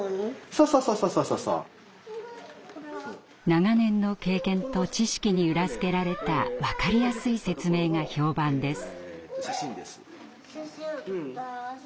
長年の経験と知識に裏付けられた分かりやすい説明が評判です。